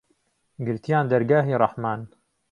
گرتیان دەرگاهی ڕهحمان